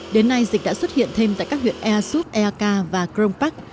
đến nay dịch đã xuất hiện thêm tại các huyện ea suot ea ka và krong pak